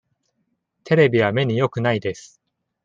テレビは目によくないです。